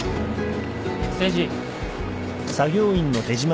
誠治。